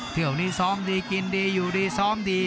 เที่ยวนี้ซ้อมดีกินดีอยู่ดีซ้อมดี